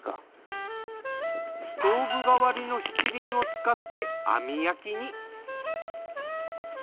ストーブがわりの七輪を使って網焼きに。